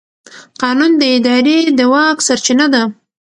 قانون د ادارې د واک سرچینه ده.